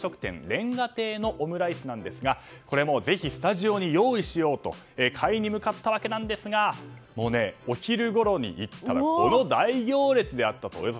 煉瓦亭のオムライスなんですがぜひ、スタジオに用意をしようと買いにに向かったわけですがもう、お昼ごろに行ったらこの大行列だったと。